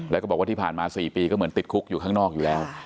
แล้วก็บอกว่าที่ผ่านมา๔ปีก็เหมือนติดคุกอยู่ข้างนอกอยู่แล้ว